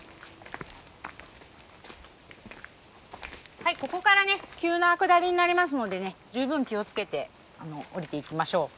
はいここからね急な下りになりますので十分気を付けて下りていきましょう。